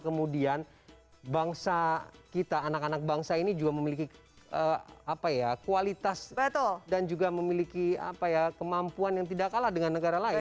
kemudian bangsa kita anak anak bangsa ini juga memiliki kualitas dan juga memiliki kemampuan yang tidak kalah dengan negara lain